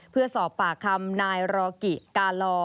เพื่อสอบปากคำนายรอกิกาลอ